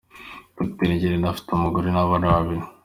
Dr Ngirente afite umugore n’abana babiri.